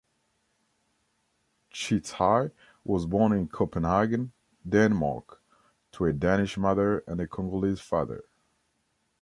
Tchicai was born in Copenhagen, Denmark, to a Danish mother and a Congolese father.